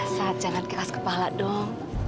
saat jalan kekas kepala dong